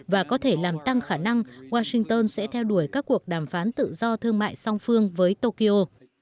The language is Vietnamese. và có thể làm tăng khả năng washington sẽ theo đuổi các cuộc đàm phán tự do thương mại song phương với tokyo